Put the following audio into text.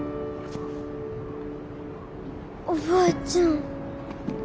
おばあちゃん